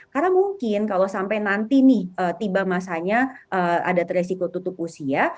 karena mungkin kalau sampai nanti nih tiba masanya ada resiko tutup usia